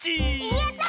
やった！